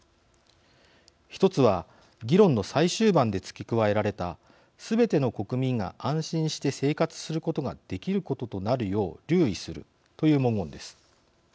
１つは議論の最終盤で付け加えられた「全ての国民が安心して生活することができることとなるよう留意する」という文言です。